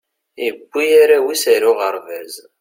iwwi arraw is ar uɣerbaz